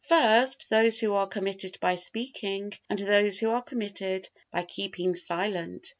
First: those which are committed by speaking, and those which are committed by keeping silent.